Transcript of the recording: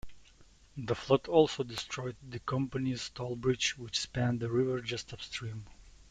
The flood also destroyed the company's tollbridge, which spanned the river just upstream.